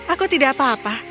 aku tidak apa apa